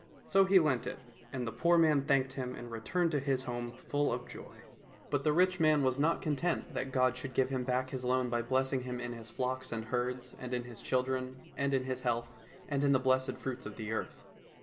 So he lent it, and the poor man thanked him and returned to his home full of joy. 83 COSSACK FAIRY TALES But the rich man was not content that God should give him back his loan by blessing him in his flocks and herds, and in his children, and in his health, and in the blessed fruits of the earth.